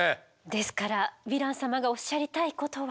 ですからヴィラン様がおっしゃりたいことは。